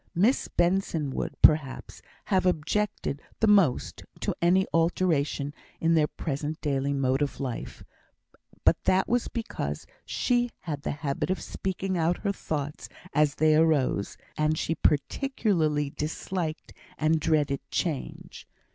Miss Benson would, perhaps, have objected the most to any alteration in their present daily mode of life; but that was because she had the habit of speaking out her thoughts as they arose, and she particularly disliked and dreaded change.